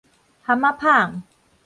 蚶仔麭